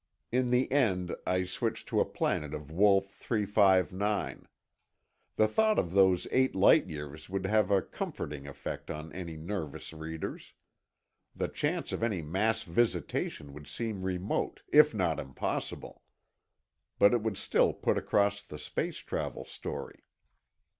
In the end, I switched to a planet of Wolf 359. The thought of those eight light years would have a comforting effect on any nervous readers. The chance of any mass visitation would seem remote, if not impossible. But it would still put across the space travel story.